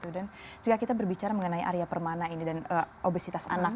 dan jika kita berbicara mengenai area permana ini dan obesitas anak